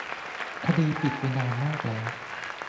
คดีปิดไปนานมากแล้ว